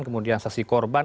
kemudian saksi korban